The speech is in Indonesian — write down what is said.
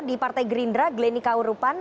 di partai gerindra glenny kaurupan